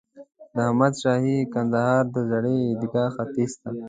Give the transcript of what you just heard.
د احمد شاهي کندهار د زړې عیدګاه ختیځ ته.